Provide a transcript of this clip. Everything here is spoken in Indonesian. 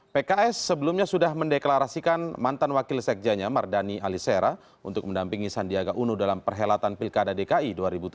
pks sebelumnya sudah mendeklarasikan mantan wakil sekjanya mardani alisera untuk mendampingi sandiaga uno dalam perhelatan pilkada dki dua ribu tujuh belas